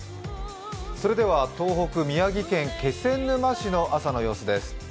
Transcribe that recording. それでは東北、宮城県気仙沼市の朝の様子です。